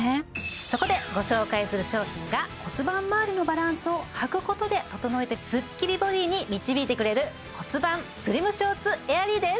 そこでご紹介する商品が骨盤まわりのバランスをはくことで整えてスッキリボディーに導いてくれる骨盤スリムショーツエアリーです